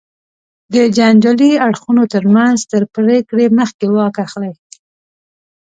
د جنجالي اړخونو تر منځ تر پرېکړې مخکې واک اخلي.